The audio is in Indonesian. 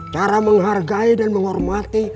cara menghargai dan menghormati